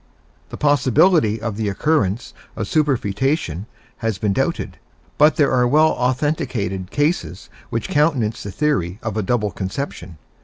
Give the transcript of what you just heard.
The possibility of the occurrence of superfoetation has been doubted, but there are well authenticated cases which countenance the theory of a double conception.